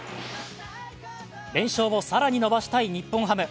連勝を更に伸ばしたい日本ハム。